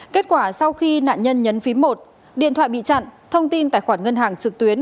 kết quả sau khi nạn nhân nhấn phí một điện thoại bị chặn thông tin tài khoản ngân hàng trực tuyến